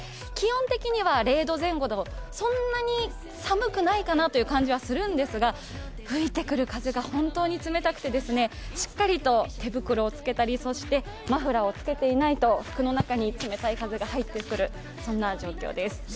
気温的には０度前後と、そんなに寒くないかなという感じがするんでりすが吹いてくる風が本当に冷たくてしっかりと手袋をつけたりマフラーをしていないと服の中に冷たい風が入ってくる、そんな状況です。